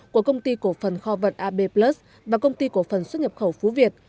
của công ty cổ phần kho vật ab plus và công ty cổ phần xuất nhập khẩu phú việt